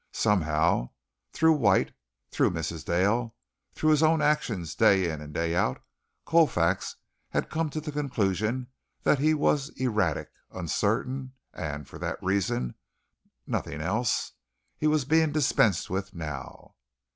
Somehow, through White, through Mrs. Dale, through his own actions day in and day out, Colfax had come to the conclusion that he was erratic, uncertain, and, for that reason, nothing else, he was being dispensed with now.